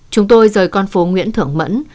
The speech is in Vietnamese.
chúng tôi rời con phố nguyễn thưởng mẫn